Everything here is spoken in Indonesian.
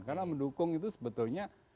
karena mendukung itu sebetulnya